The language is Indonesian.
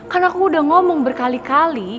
kan aku udah ngomong berkali kali